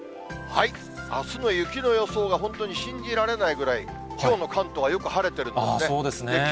あすの雪の予想が、本当に信じられないぐらい、きょうの関東はよく晴れているんですね。